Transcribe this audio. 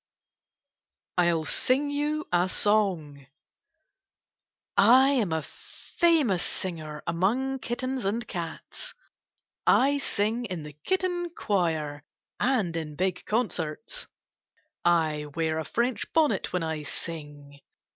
26 KITTENS AND CATS I 'LL SING YOU A SONG I am a famous singer among kittens and eats. I sing in the kitten choir and in big concerts. I wear a French bonnet when I sing.